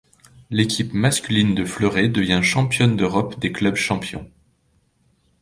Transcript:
L'équipe masculine de fleuret devient championne d'Europe des clubs champions.